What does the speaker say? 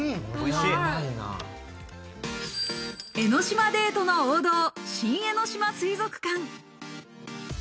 江の島デートの王道、新江ノ島水族館。